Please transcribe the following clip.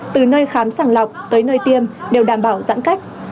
từ nơi khám sàng lọc tới nơi tiêm đều đảm bảo giãn cách